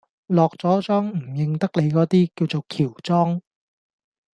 落咗妝唔認得你嗰啲，叫做喬裝